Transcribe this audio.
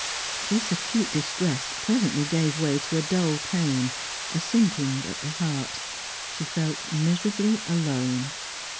This acute distress presently gave way to a dull pain, a sinking at the heart. She felt miserably alone.